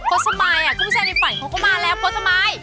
ขนไท้สมัยอ่ะก็ผู้ชายในฝันเขาก็มาแล้วขนไท้สมัย